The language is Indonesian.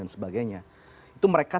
dan sebagainya itu mereka